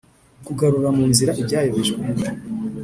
Kugarura mu nzira ibya yobejwe